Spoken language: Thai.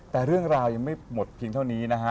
แต่เรื่องราวยังไม่หมดเพียงเท่านี้นะฮะ